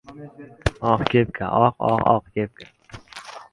— Ha, mayli... Unda, dadil-dadil gaplashing, paxan.